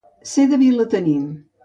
Ser de Vilatenim.